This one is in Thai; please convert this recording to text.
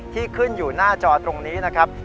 ที่ขึ้นอยู่หน้าจอตรงนี้นะครับ